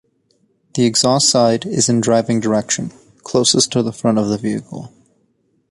The exhaust side is in driving direction, closest to the front of the vehicle.